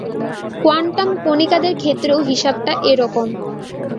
Quantum কণিকাদের ক্ষেত্রেও হিসাবটা এ রকম।